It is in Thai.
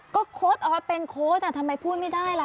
ก็โค้ดออสเป็นโค้ดทำไมพูดไม่ได้ล่ะ